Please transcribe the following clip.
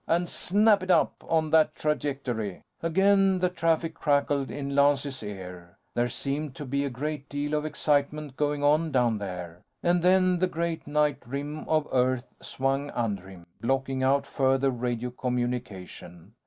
And snap it up on that trajectory." Again, the traffic crackled in Lance's ear. There seemed to be a great deal of excitement going on down there. And then the great night rim of Earth swung under him, blocking out further radio communication.